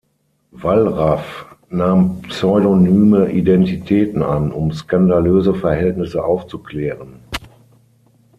Wallraff nahm pseudonyme Identitäten an, um skandalöse Verhältnisse aufzuklären.